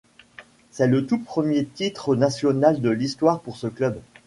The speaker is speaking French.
C'est le tout premier titre national de l'histoire pour ce club.